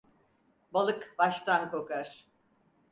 Balık baştan kokar.